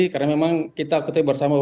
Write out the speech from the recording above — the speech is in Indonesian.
karena memang kita ketemu bersama